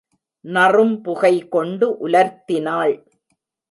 நறும்புகை கொண்டு உலர்த்தினாள்.